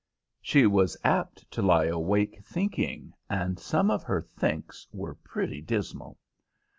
She was apt to lie awake thinking, and some of her thinks were pretty dismal.